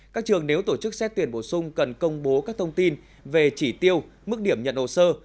các trường nếu tổ chức xét tuyển bổ sung cần công bố các thông tin về chỉ tiêu mức điểm nhận hồ sơ